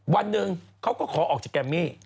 วันหนึ่งเขาก็ขอออกจากแกมมี่